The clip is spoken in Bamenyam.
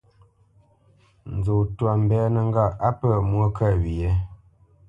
Nzó twâ mbínə́ ŋgâʼ á pə̂ mwô kə wye ?